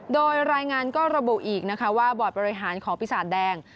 โดยรายงานก็ระบุอีกนะคะว่าบอร์ดบริหารของปีศาจแดง